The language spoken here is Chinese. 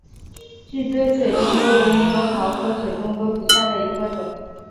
聚锥水东哥为猕猴桃科水东哥属下的一个种。